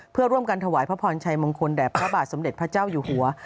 เพื่อร่วมกันถวายพระพรชัยมงคลแด่พระบาทสมเด็จพระเจ้าอยู่หัว